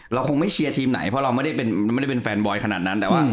เราคงไม่เชียร์ทีมไหนเพราะเราไม่ได้เป็นแฟนบอยขนาดนั้นแต่ว่า